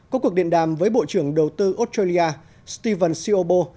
có cuộc điện đàm với bộ trưởng đầu tư australia stephen siobo